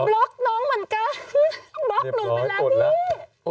ล็อกน้องเหมือนกันบล็อกหนูไปแล้วพี่